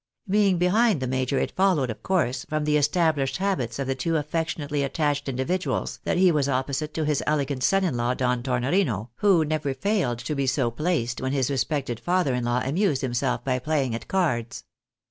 Being behind the major, it followed, of course, from the established habits of the two affectionately attached individuals, that he was opposite to his elegant son in law, Don Tornorino, who never failed to be so placed when his respected father in law amused himself by playr ing at cards.